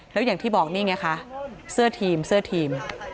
แล้วอย่างที่บอกนี่ไงคะเสื้อทีม